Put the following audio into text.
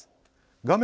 画面